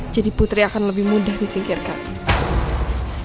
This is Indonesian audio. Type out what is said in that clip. jadi putri akan lebih mudah difikirkan